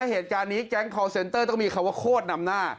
เหตุการณ์นี้แก๊งคอลเซนเตอร์ต้องมีคำว่าโคตรนำหน้า